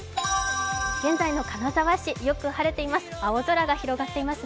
現在の金沢市、よく晴れています。